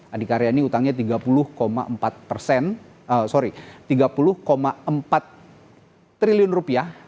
adikarya ini utangnya tiga puluh empat triliun rupiah